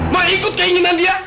mau ikut keinginan dia